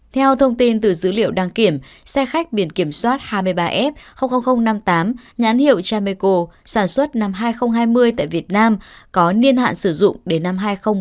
theo thông tin từ dữ liệu đăng kiểm xe khách biển kiểm soát hai mươi ba f năm mươi tám nhãn hiệu trameco sản xuất năm hai nghìn hai mươi tại việt nam có niên hạn sử dụng đến năm hai nghìn hai mươi